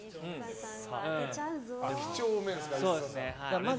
几帳面ですからね。